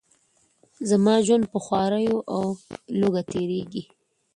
زما ژوند په خواریو او لوږه تیریږي.